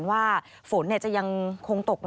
สวัสดีค่ะสวัสดีค่ะ